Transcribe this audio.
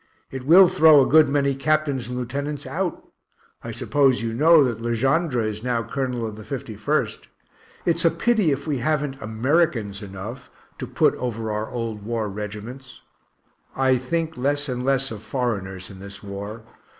It will throw a good many captains and lieutenants out. I suppose you know that Le Gendre is now colonel of the 51st it's a pity if we haven't Americans enough to put over our old war regiments. (I think less and less of foreigners, in this war.